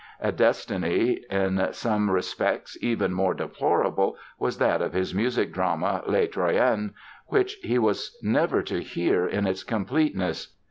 A destiny in some respects even more deplorable was that of his music drama, "Les Troyens", which he was never to hear in its completeness.